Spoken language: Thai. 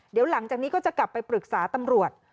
เดี๋ยวหลังจากนี้ก็จะกลับไปปรึกษาตำรวจ